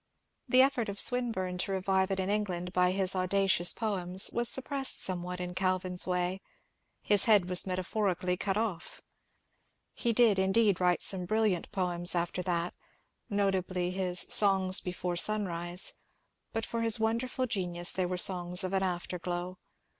The effort of Swinburne to revive it in England by his audacious poems was suppressed somewhat in Calvin's way; his head was metaphorically cut off. He did, indeed, write some bril 416 MONCUBE DANIEL CONWAY liant poems after that, — notably in Iiis Songs before Son rise," — but for his wonderful genius they were songs of an afterglow.